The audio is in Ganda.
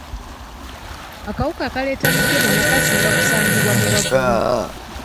Akawuka akaleeta mukenenya kasinga kusangibwa mu bavubi.